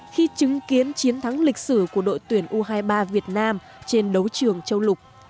khi chứng kiến chiến thắng lịch sử của đội tuyển u hai mươi ba việt nam trên đấu trường châu lục